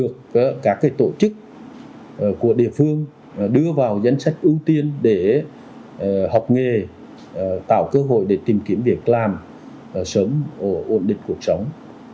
các tổ chức của địa phương đưa vào danh sách ưu tiên để học nghề tạo cơ hội để tìm kiếm việc làm sớm ổn định cuộc sống